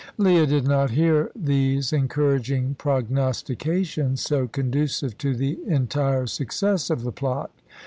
Leah did not hear these encouraging prognostications, so conducive to the entire success of the plot.